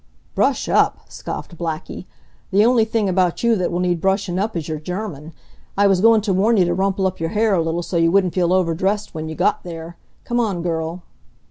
"Brush up!" scoffed Blackie, "the only thing about you that will need brushin' up is your German. I was goin' t' warn you to rumple up your hair a little so you wouldn't feel overdressed w'en you got there. Come on, girl."